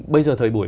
bây giờ thời buổi